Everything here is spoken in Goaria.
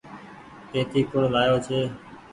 پيتي ڪوڻ لآيو ڇي ۔